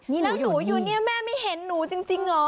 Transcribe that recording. แล้วหนูอยู่เนี่ยแม่ไม่เห็นหนูจริงเหรอ